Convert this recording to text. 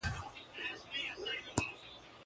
He then studied art education and history.